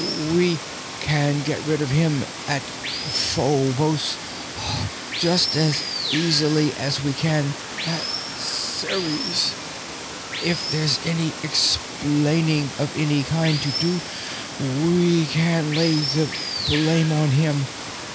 "We can get rid of him at Phobos just as easily as we can at Ceres. If there's any explaining of any kind to do, we can lay the blame on him.